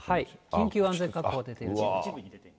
緊急安全確保が出ている地域。